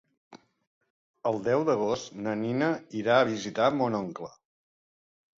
El deu d'agost na Nina irà a visitar mon oncle.